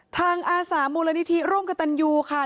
อาสามูลนิธิร่วมกับตันยูค่ะ